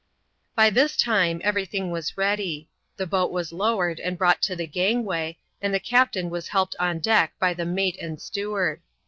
By this time every thing was ready ; the boat was lowered and brought to the gangway ; and the captain was helped on deck by the mate and steward.